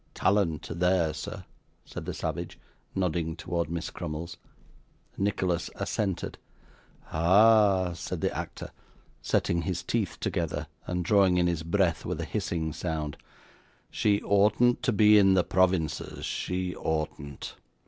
'Talent there, sir!' said the savage, nodding towards Miss Crummles. Nicholas assented. 'Ah!' said the actor, setting his teeth together, and drawing in his breath with a hissing sound, 'she oughtn't to be in the provinces, she oughtn't.